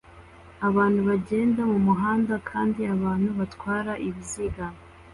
Abantu bagenda mumuhanda kandi abantu batwara ibiziga